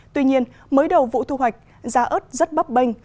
tuy nhiên mới đầu vụ thu hoạch giá ớt rất bắp bênh